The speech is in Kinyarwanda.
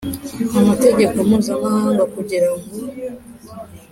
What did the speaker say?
Amategeko mpuzamahanga kugira ngo